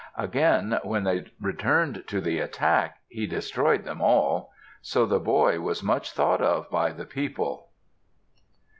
Again, when they returned to the attack, he destroyed them all. So the boy was much thought of by the people.